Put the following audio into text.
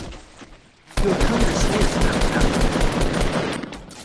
You have come to stay a spell, haven't you?